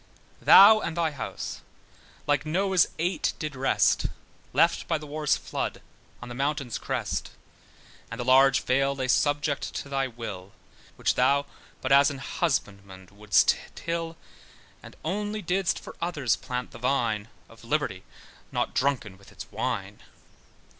Thou, and thine house (like Noah's eight) did rest, Left by the wars' flood on the mountains' crest: And the large vale lay subject to thy will Which thou but as an husbandman wouldst till: And only didst for others plant the vine Of liberty, not drunken with its wine.